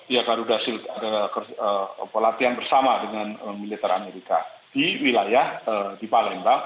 ya garuda shield adalah pelatihan bersama dengan militer amerika di wilayah di palembang